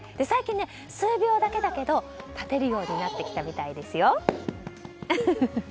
最近、数秒だけだけど立てるようになってきたみたいですよ。